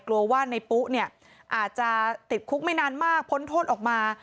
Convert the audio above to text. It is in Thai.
กลัวว่าในปุ๊เนี่ยอาจจะติดคุกไม่นานมากพ้นโทษออกมา